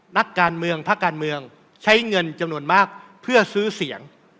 นักการเมืองภาคการเมืองใช้เงินจำนวนมากเพื่อซื้อเสียง